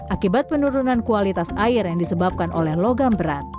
akibat penurunan kualitas air yang disebabkan oleh logam berat